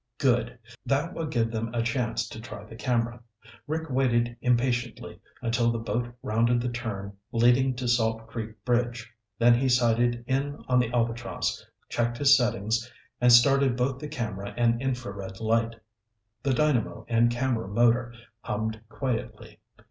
Good! That would give them a chance to try the camera. Rick waited impatiently until the boat rounded the turn leading to Salt Creek Bridge, then he sighted in on the Albatross, checked his settings, and started both the camera and infrared light. The dynamo and camera motor hummed quietly.